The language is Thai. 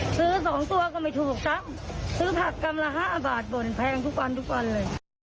ซื้อ๒ตัวก็ไม่ถูกซ้ำซื้อผักกำละ๕บาทบ่นแพงทุกวันทุกวันเลย